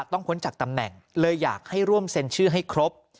พ้นจากตำแหน่งเลยอยากให้ร่วมเซ็นชื่อให้ครบ